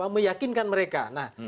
meyakinkan mereka nah